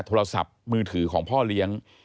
โทรศัพท์มือถือของพ่อเลี้ยง